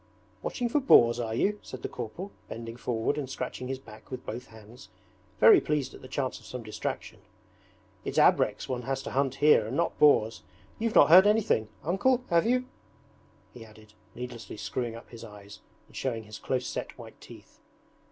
'Watching for boars, are you?' said the corporal, bending forward and scratching his back with both hands, very pleased at the chance of some distraction. 'It's abreks one has to hunt here and not boars! You've not heard anything, Uncle, have you?' he added, needlessly screwing up his eyes and showing his close set white teeth.